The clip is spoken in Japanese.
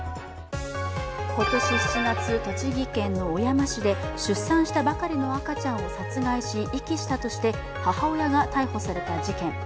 今年７月、栃木県小山市で出産したばかりの赤ちゃんを殺害し、遺棄したとして母親が逮捕された事件。